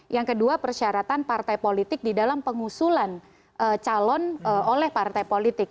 yang kedua persyaratan partai politik di dalam pengusulan calon oleh partai politik